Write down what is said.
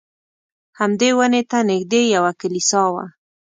همدې ونې ته نږدې یوه کلیسا وه.